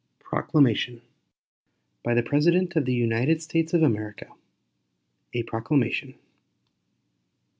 PROCLAMATION. BY THE PRESIDENT OF THE UNITED STATES OF AMERICA. A PROCLAMATION.